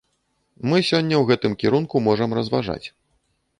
Мы сёння ў гэтым кірунку можам разважаць.